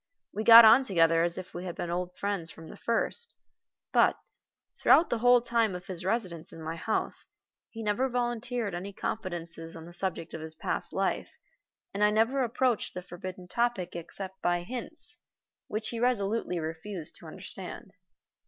We got on together as if we had been old friends from the first; but, throughout the whole time of his residence in my house, he never volunteered any confidences on the subject of his past life, and I never approached the forbidden topic except by hints, which he resolutely refused to understand.